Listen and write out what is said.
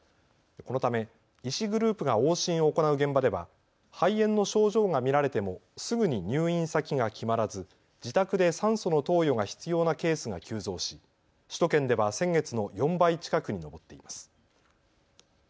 このため医師グループが往診を行う現場では肺炎の症状が見られてもすぐに入院先が決まらず自宅で酸素の投与が必要なケースが急増し首都圏では先月の４倍近くに上っています。